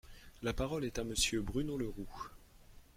La parole est à Monsieur Bruno Le Roux.